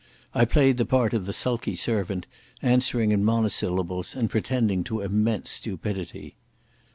I played the part of the sulky servant, answering in monosyllables and pretending to immense stupidity.